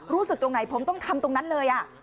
ตรงไหนผมต้องทำตรงนั้นเลย